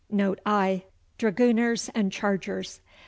Note I. Dragooners and Chargers.